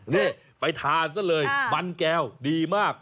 นี่ไปทานซะเลยมันแก้วดีมาก